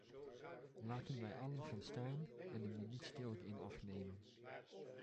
Laten wij allen gaan staan en een minuut stilte in acht nemen.